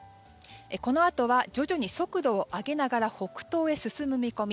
このあとは徐々に速度を上げながら北東へ進む見込み。